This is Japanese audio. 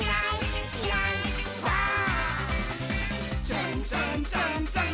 「ツンツンツンツン」